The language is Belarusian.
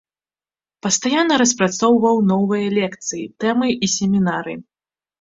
Пастаянна распрацоўваў новыя лекцыі, тэмы і семінары.